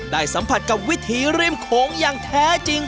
สัมผัสกับวิถีริมโขงอย่างแท้จริง